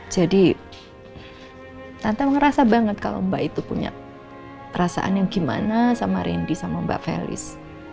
jadi tante ngerasa banget kalo mbak itu punya perasaan yang gimana sama randy sama mbak felis